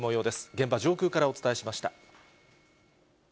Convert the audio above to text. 現場上空からお伝えしました。